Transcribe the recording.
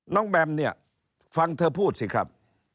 แบมเนี่ยฟังเธอพูดสิครับ